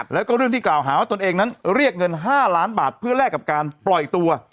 แล้วก็เรื่องที่กล่าวหาว่าตนเองนั้นเรียกเงิน๕ล้านบาทเพื่อแลกกับการปล่อยตัว